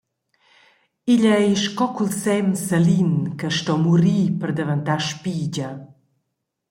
Igl ei sco cul sem salin che sto murir per daventar spigia.